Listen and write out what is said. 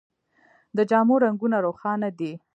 د جامو رنګونه روښانه دي.